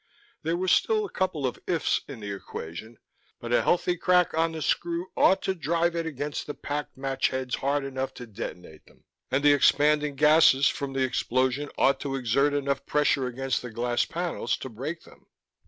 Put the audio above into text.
There were still a couple of 'if's' in the equation, but a healthy crack on the screw ought to drive it against the packed match heads hard enough to detonate them, and the expanding gasses from the explosion ought to exert enough pressure against the glass panels to break them.